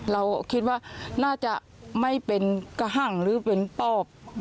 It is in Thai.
เราคิดว่าน่าจะไม่เป็นกระหังหรือเป็นปอบ